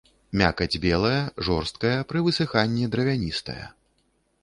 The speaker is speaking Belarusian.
Мякаць белая, жорсткая, пры высыханні дравяністая.